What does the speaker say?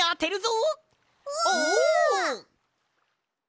お！